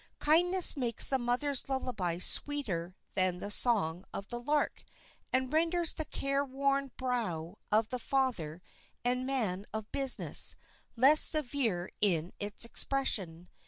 Kindness makes the mother's lullaby sweeter than the song of the lark, and renders the care worn brow of the father and man of business less severe in its expression.